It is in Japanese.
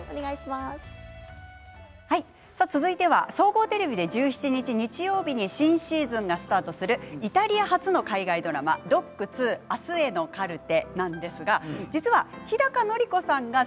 続いては総合テレビで１７日、日曜日に新シーズンがスタートするイタリア発の海外ドラマ「ＤＯＣ２あすへのカルテ」